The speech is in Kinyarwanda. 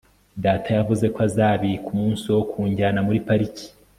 data yavuze ko azabika umunsi wo kunjyana muri pariki